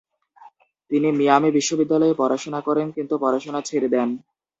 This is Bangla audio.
তিনি মিয়ামি বিশ্ববিদ্যালয়ে পড়াশোনা করেন, কিন্তু পড়াশোনা ছেড়ে দেন।